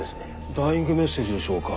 ダイイングメッセージでしょうか？